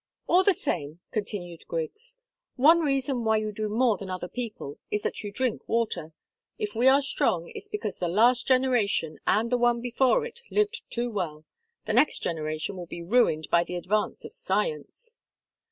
"All the same," continued Griggs, "one reason why you do more than other people is that you drink water. If we are strong, it's because the last generation and the one before it lived too well. The next generation will be ruined by the advance of science."